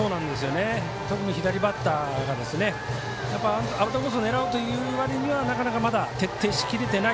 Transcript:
特に左バッターがアウトコースを狙うということがまだ、徹底し切れていない